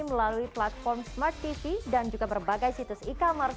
melalui platform smart tv dan juga berbagai situs e commerce